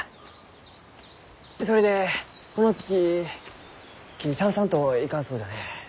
それでこの木切り倒さんといかんそうじゃね？